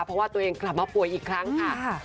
เพราะว่าตัวเองกลับมาป่วยอีกครั้งค่ะ